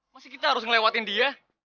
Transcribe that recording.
masih kita harus ngelewatin dia